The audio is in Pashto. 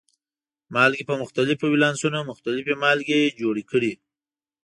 مالګې په مختلفو ولانسونو مختلفې مالګې جوړې کړي.